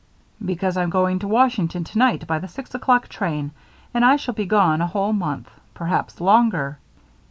"Because I'm going to Washington tonight by the six o'clock train and I shall be gone a whole month perhaps longer."